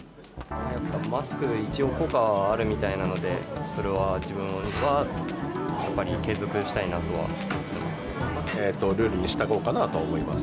マスクは一応、効果はあるみたいなんで、それは自分はやっぱり継続したいなとは思います。